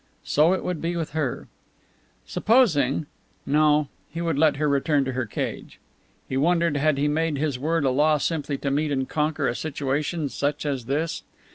So it would be with her. Supposing no, he would let her return to her cage. He wondered had he made his word a law simply to meet and conquer a situation such as this?